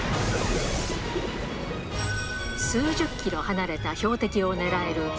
数十キロ離れた標的を狙える